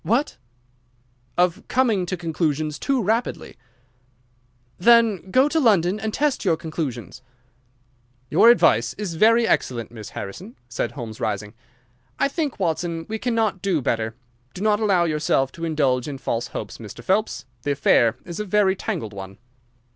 "What!" "Of coming to conclusions too rapidly." "Then go to London and test your conclusions." "Your advice is very excellent, Miss Harrison," said Holmes, rising. "I think, Watson, we cannot do better. Do not allow yourself to indulge in false hopes, Mr. Phelps. The affair is a very tangled one."